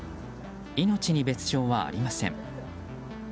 命に別条はありません。